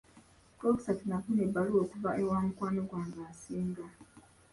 Ku lw'okusatu nafuna ebbaluwa okuva ewa mukwano gwange asinga.